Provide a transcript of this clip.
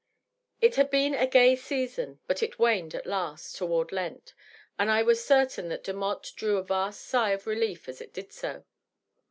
It had been a gay season, but it waned at last, toward Lent, and I was certain that Demotte drew a vast sigh of relief as it did so.